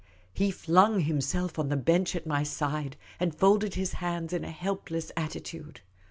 He flung himself on the bench at my side, and folded his hands in a helpless attitude.